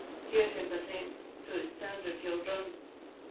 Hear him but ance, to his standard you 'll run.